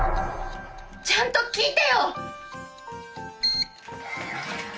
ちゃんと聞いてよ！